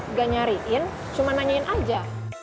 nggak nyariin cuma nanyain aja